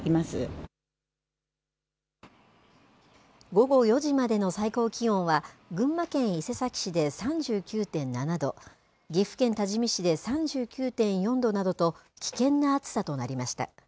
午後４時までの最高気温は、群馬県伊勢崎市で３９．７度、岐阜県多治見市で３９．４度などと、危険な暑さとなりました。